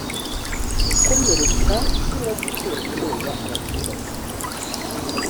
gukomeretsa cyangwa gutera ubwoba abaturage